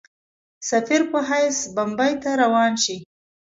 سفیر په حیث بمبیی ته روان سي.